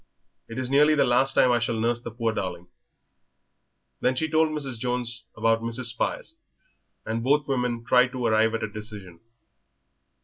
It is nearly the last time I shall nurse the poor darling." Then she told Mrs. Jones about Mrs. Spires, and both women tried to arrive at a decision.